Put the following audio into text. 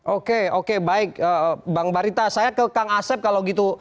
oke oke baik bang barita saya ke kang asep kalau gitu